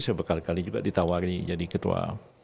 saya berkali kali juga ditawari jadi ketua